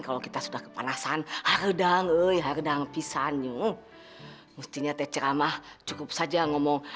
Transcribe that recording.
kalau kita sudah kepanasan harus dangun hardang pisang mustinya teramah cukup saja ngomong